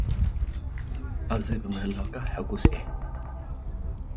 ኣብዚ ብምህላውካ ሕጉስ እየ።